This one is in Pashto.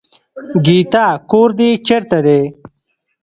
ګيتا کور دې چېرته دی.